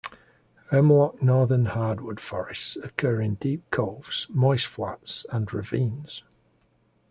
Hemlock-northern hardwood forests occur in deep coves, moist flats, and ravines.